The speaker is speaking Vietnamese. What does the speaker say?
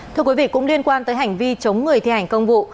thưa quý vị cũng liên quan tới hành vi chống người thi hành công vụ